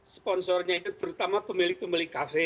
sponsornya itu terutama pemilik pemilik kafe